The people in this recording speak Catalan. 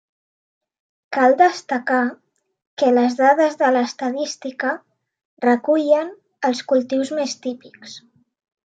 Cal destacar que les dades de l’estadística recullen els cultius més típics.